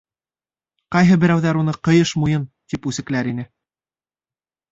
Ҡайһы берәүҙәр уны «ҡыйыш муйын» тип үсекләр ине.